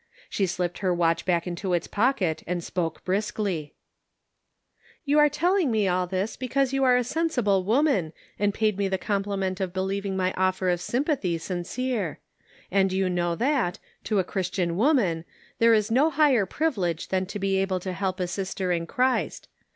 She slipped her watch back into its pocket, and spoke briskly :" You are telling me all this because you are a sensible woman, and paid me the com pliment of believing my offer of sympathy sincere ; and you know that, to a Christian woman, there is no higher privilege than to be able to help a sister in Christ.